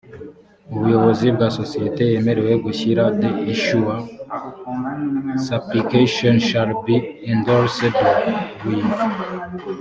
ubuyobozi bwa sosiyete yemerewe gushyira the issuer s application shall be endorsed with